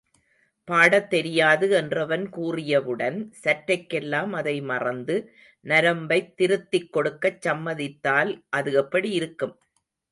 பாடத் தெரியாது என்றவன் கூறியவுடன் சற்றைக்கெல்லாம் அதை மறந்து நரம்பைத் திருத்திக் கொடுக்கச் சம்மதித்தால் அது எப்படி இருக்கும்?